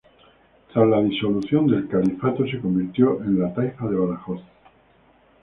Tras la disolución del Califato, se convirtió en la Taifa de Badajoz.